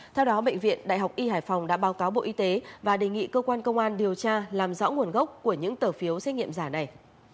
theo đó bệnh viện đại học y hải phòng đã báo cáo bộ y tế và đề nghị cơ quan công an điều tra làm rõ nguồn gốc của những tờ phiếu xét nghiệm giả này